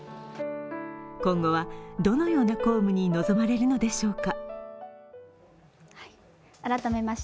今後はどのような公務に臨まれるのでしょうか。